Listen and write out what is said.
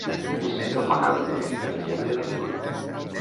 Necessito apagar l'endoll intel·ligent de l'estudi.